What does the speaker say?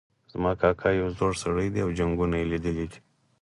زما کاکا یو زړور سړی ده او جنګونه یې لیدلي دي